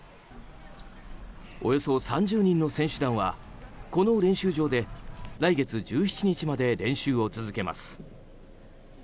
およそ３０人の選手団はこの練習場で来月１７日まで練習を続けます。